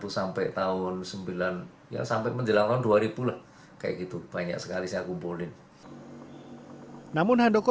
sampai tahun sembilan ya sampai menjelang tahun dua ribu lah kayak gitu banyak sekali saya kumpulin namun handoko